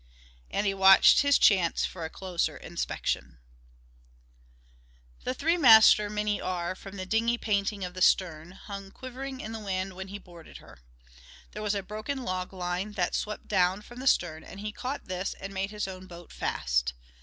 And he watched his chance for a closer inspection. The three master Minnie R., from the dingy painting of the stern, hung quivering in the wind when he boarded her. There was a broken log line that swept down from the stern, and he caught this and made his own boat fast.